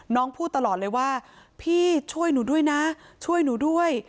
พูดตลอดเลยว่าพี่ช่วยหนูด้วยนะช่วยหนูด้วย